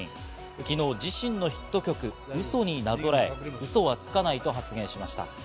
昨日、自身のヒット曲『うそ』になぞらえ、うそはつかないと発言しました。